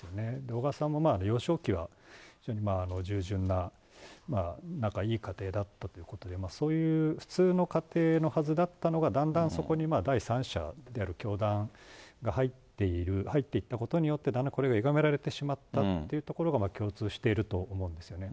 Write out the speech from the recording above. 小川さんもまあ、幼少期は非常に従順な仲いい家庭だったということで、そういう普通の家庭のはずだったのが、だんだんそこに第三者である教団が入っている、入っていったことによって、だんだんこれがゆがめられてしまったというところが共通していると思うんですよね。